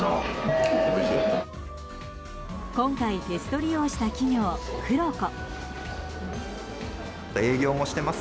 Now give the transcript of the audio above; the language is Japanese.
今回、テスト利用した企業、クロコ。